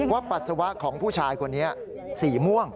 ปัสสาวะของผู้ชายคนนี้สีม่วง